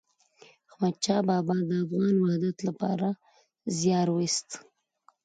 احمد شاه بابا د افغان وحدت لپاره زیار وایست.